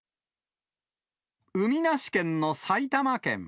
海なし県の埼玉県。